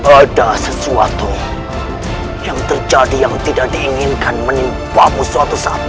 ada sesuatu yang terjadi yang tidak diinginkan menimpamu suatu saat